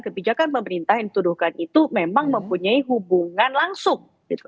kebijakan pemerintah yang dituduhkan itu memang mempunyai hubungan langsung